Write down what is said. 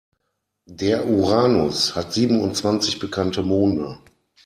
Der Uranus hat siebenundzwanzig bekannte Monde.